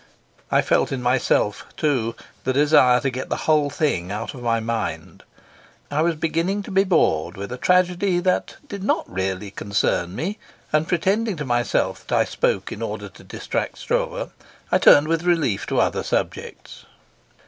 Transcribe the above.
I felt in myself, too, the desire to get the whole thing out of my mind. I was beginning to be bored with a tragedy that did not really concern me, and pretending to myself that I spoke in order to distract Stroeve, I turned with relief to other subjects.